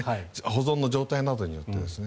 保存の状態などによって。